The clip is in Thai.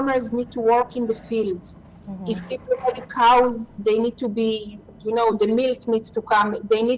เมืองต้องทำงานในภูมิ